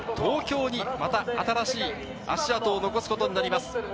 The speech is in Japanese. そして東京にまた新しい足跡を残すことになります。